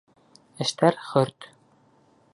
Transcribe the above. Эштәр хөрт...